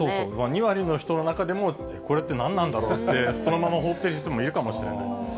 ２割の人の中でも、これって何なんだろうって、そのまま放っている人もいるかもしれない。